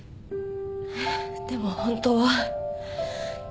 でも本当は。